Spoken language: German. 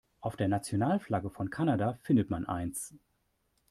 Auf der Nationalflagge von Kanada findet man eins.